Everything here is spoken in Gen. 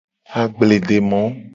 Agbledemo.